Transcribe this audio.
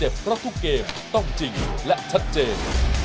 โอ้โอ้โอ้โอ้โอ้โอ้โอ้โอ้โอ้โอ้โอ้โอ้โอ้โอ้